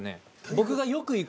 僕がよく行く。